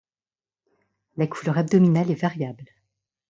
La couleur abdominale est variable.